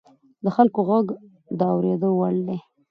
د خلکو غږ د اورېدو وړ دی